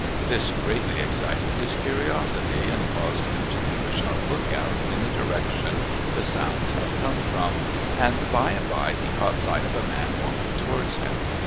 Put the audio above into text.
This greatly excited his curiosity and caused him to keep a sharp look out in the direction the sounds had come from, and by and by he caught sight of a man walking towards him.